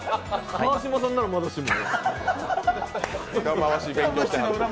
川島さんならまだしも。